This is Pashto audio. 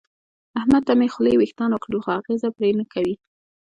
احمد ته مې خولې وېښتان وکړل خو اغېزه پرې نه کوي.